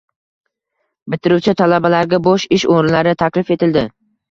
Bitiruvchi talabalarga bo‘sh ish o‘rinlari taklif etildi